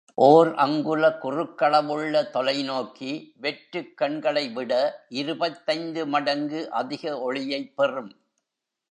ஓர் அங்குல குறுக்களவுள்ள தொலை நோக்கி வெற்றுக் கண்களைவிட இருபத்தைந்து மடங்கு அதிக ஒளியைப் பெறும்!